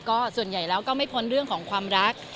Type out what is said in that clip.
ก็ส่วนใหญ่แล้วก็ไม่พ้นเรื่องของความรัก